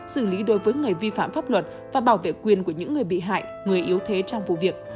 xử lý đối với người vi phạm pháp luật và bảo vệ quyền của những người bị hại người yếu thế trong vụ việc